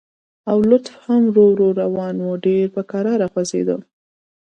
او لفټ هم ورو ورو روان و، ډېر په کراره خوځېده.